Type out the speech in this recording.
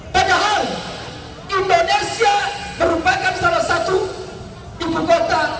padahal indonesia merupakan salah satu ibu kota